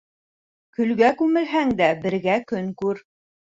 Көлгә күмелһәң дә бергә көн күр.